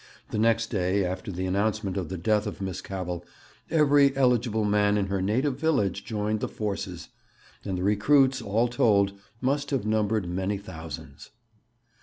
The next day after the announcement of the death of Miss Cavell every eligible man in her native village joined the Forces, and the recruits, all told, must have numbered many thousands.